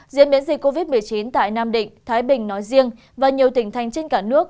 diễn biến dịch covid một mươi chín tại nam định thái bình nói riêng và nhiều tỉnh thành trên cả nước